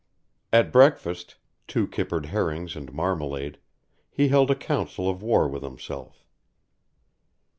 At breakfast two kippered herrings and marmalade he held a council of war with himself.